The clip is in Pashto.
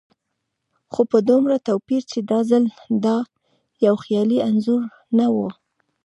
خو په دومره توپير چې دا ځل دا يو خيالي انځور نه و.